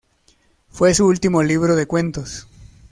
Fue su último libro de cuentos.